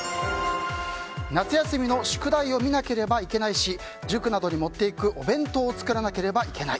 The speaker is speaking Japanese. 夏休みの宿題を見なければいけないし塾などに持っていくお弁当を作らなければいけない。